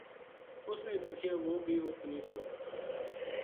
اُس نے دیکھیو وہ بی ات نیہہ تھو